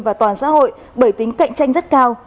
và toàn xã hội bởi tính cạnh tranh rất cao